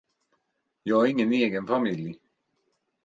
Jag har ingen egen familj.